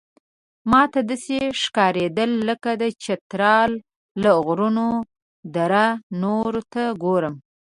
ماته داسې ښکارېدل لکه د چترال له غرونو دره نور ته ګورم.